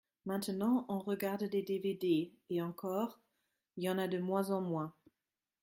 maintenant on regarde des dévédés. Et encore, y’en a de moins en moins